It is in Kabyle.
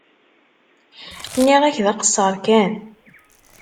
Nniɣ-ak d aqeṣṣer kan.